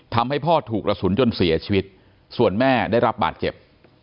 ทำให้พ่อถูกกระสุนจนเสียชีวิตส่วนแม่ได้รับบาดเจ็บ